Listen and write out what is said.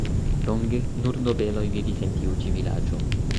Longe nur nobeloj vivis en tiu ĉi vilaĝo.